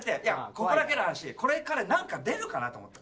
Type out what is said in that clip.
ここだけの話これからなんか出るかなと思った。